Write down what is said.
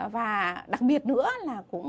và đặc biệt nữa là cũng